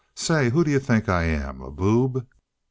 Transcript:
Say, who d'you think I am, a boob?"